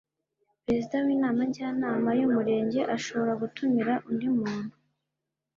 Perezida w Inama Njyanama y Umurenge ashobora gutumira undi muntu